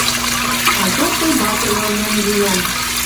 Майор Тойбатрлан нӓнгенӓм.